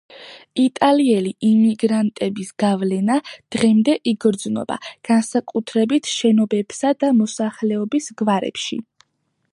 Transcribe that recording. იტალიელი იმიგრანტების გავლენა დღემდე იგრძნობა, განსაკუთრებით შენობებსა და მოსახლეობის გვარებში.